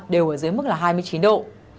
đều ở dưới mức là hai mươi chín độ